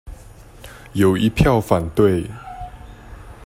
有一票反對